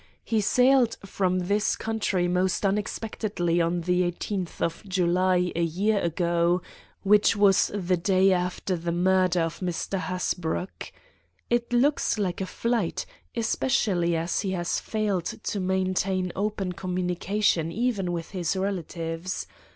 He sailed from this country most unexpectedly on the eighteenth of July a year ago, which was the day after the murder of Mr. Hasbrouck. It looks like a flight, especially as he has failed to maintain open communication even with his relatives.